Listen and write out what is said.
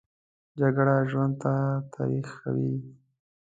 جګړه ژوند تریخوي